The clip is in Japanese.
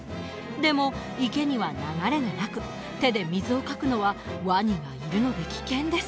でも池には流れがなく手で水をかくのはワニがいるので危険です。